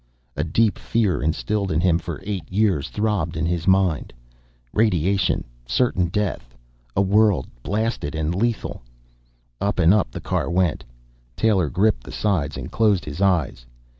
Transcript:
A deep fear, instilled in him for eight years, throbbed in his mind. Radiation, certain death, a world blasted and lethal Up and up the car went. Taylor gripped the sides and closed his eyes.